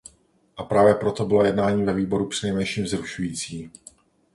A právě proto byla jednání ve výboru přinejmenším vzrušující.